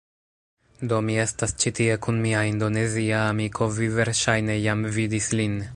Do, mi estas ĉi tie kun mia Indonezia amiko vi verŝajne jam vidis lin